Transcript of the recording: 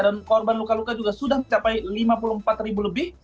dan korban luka luka juga sudah mencapai lima puluh empat ribu lebih